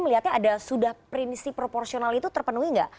melihatnya ada sudah prinsip proporsional itu terpenuhi nggak